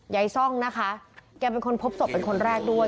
ซ่องนะคะแกเป็นคนพบศพเป็นคนแรกด้วย